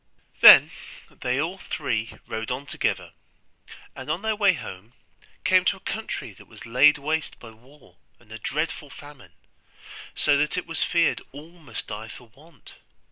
Then they all three rode on together, and on their way home came to a country that was laid waste by war and a dreadful famine, so that it was feared all must die for want.